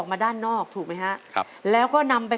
ขอเชยคุณพ่อสนอกขึ้นมาต่อชีวิตเป็นคนต่อชีวิตเป็นคนต่อชีวิต